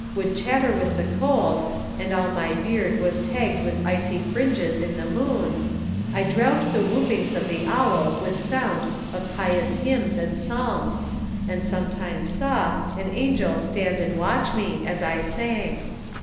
Would chatter with the cold, and all my beard Was tagged with icy fringes in the moon, I drowned the whoopings of the owl with sound Of pious hymns and psalms, and sometimes saw An angel stand and Avatch me, as I sang.